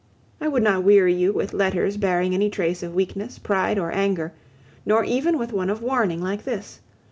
I would not weary you with letters bearing any trace of weakness, pride, or anger, nor even with one of warning like this.